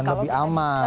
dan lebih aman